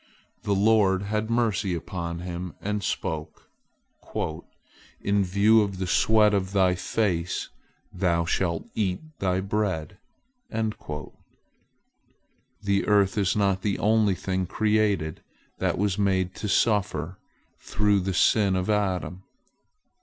The Lord had mercy upon him, and spoke, "In view of the sweat of thy face, thou shalt eat bread." The earth is not the only thing created that was made to suffer through the sin of Adam.